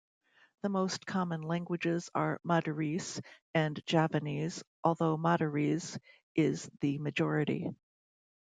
The most common languages are Madurese and Javanese, although Madurese is the majority.